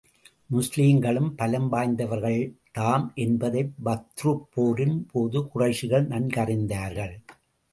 முஸ்லிம்களும் பலம் வாய்ந்தவர்கள்தாம் என்பதைப் பத்ருப் போரின் போது குறைஷிகள் நன்கறிந்தார்கள்.